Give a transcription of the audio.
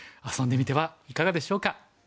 遊んでみてはいかがでしょうか？